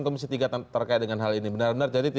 komisi tiga terkait dengan hal ini benar benar jadi